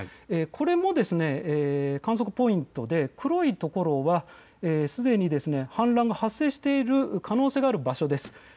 これも観測ポイントで黒い所はすでに氾濫が発生している可能性がある場所です。